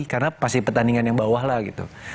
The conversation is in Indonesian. karena pasti pertandingan yang bawah lah gitu